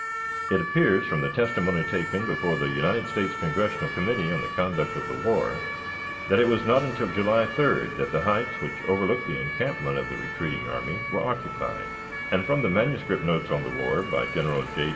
It appears, from the testimony taken before the United States Congressional Committee on the Conduct of the War, that it was not until July 3d that the heights which overlooked the encampment of the retreating army were occupied, and, from the manuscript notes on the war by General J.